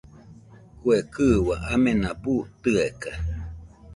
Kue kɨua amena buu tɨeka.